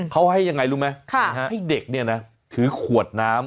เขาให้ยังไงรู้ไหมให้เด็กเนี่ยนะถือขวดน้ำ